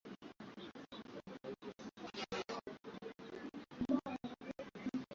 pande zote mbili zimetolewa katika mahojiano yenye hoja thabiti